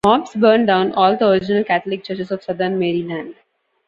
Mobs burned down all the original Catholic churches of southern Maryland.